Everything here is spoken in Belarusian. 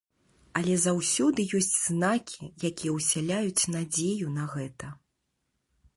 Але заўсёды ёсць знакі, якія ўсяляюць надзею на гэта.